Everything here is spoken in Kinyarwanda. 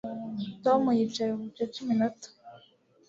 Tom yicaye bucece iminota